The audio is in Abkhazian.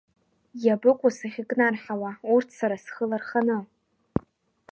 Иабыкәу сахькнарҳауа урҭ сара схы ларханы?